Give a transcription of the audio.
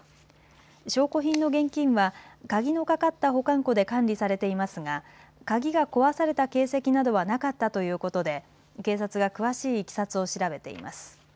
証拠品の現金は鍵のかかった保管庫で管理されていますが鍵が壊された形跡などはなかったということで警察が詳しいいきさつを調べています。